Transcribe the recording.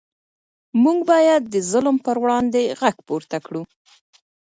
موږ باید د ظلم پر وړاندې غږ پورته کړو.